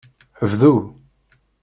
Bdu!